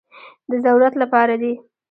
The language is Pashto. د ضرورت لپاره دي.